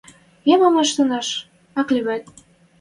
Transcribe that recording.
Йӓ, мам ӹштӹшӓш? Ак ли вет